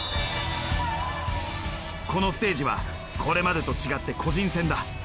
このステージはこれまでと違って個人戦だ。